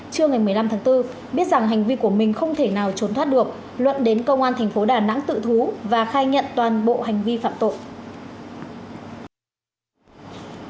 trưa ngày một mươi năm tháng bốn biết rằng hành vi của mình không thể nào trốn thoát được luận đến công an tp đà nẵng tự thú và khai nhận toàn bộ hành vi phạm tội